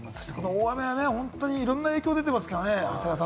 大雨は本当にいろんな影響出てますからね。